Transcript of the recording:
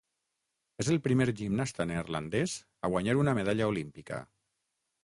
És el primer gimnasta neerlandès a guanyar una medalla olímpica.